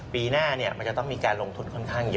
ปีหน้ามันจะต้องมีการลงทุนค่อนข้างเยอะ